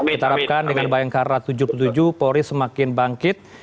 kita harapkan dengan bayangkara tujuh puluh tujuh polri semakin bangkit